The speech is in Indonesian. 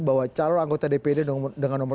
bahwa calon anggota dpd dengan nomor